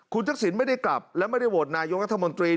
คุณทักษิณไม่ได้กลับและไม่ได้โหวตนายกรัฐมนตรี